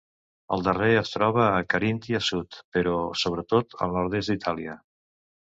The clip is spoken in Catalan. El darrer es troba a Carinthia sud, però sobretot al nord-est d'Itàlia.